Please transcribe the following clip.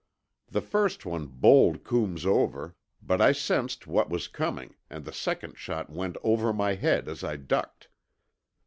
The first one bowled Coombs over, but I sensed what was coming and the second shot went over my head as I ducked.